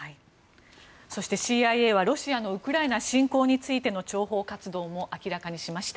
そして、ＣＩＡはロシアのウクライナ侵攻についての諜報活動も明らかにしました。